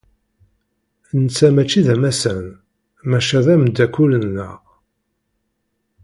Netta maci d amassan, maca d ameddakel-nneɣ.